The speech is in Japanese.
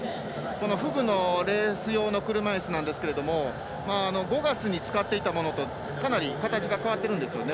フグのレース用の車いすなんですが５月に使っていたものとかなり形が変わってるんです。